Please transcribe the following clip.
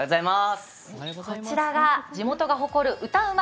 こちらが地元が誇る歌うま